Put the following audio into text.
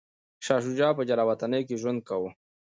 شاه شجاع په جلاوطنۍ کي ژوند کاوه.